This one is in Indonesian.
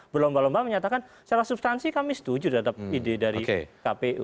berlomba lomba menyatakan secara substansi kami setuju terhadap ide dari kpu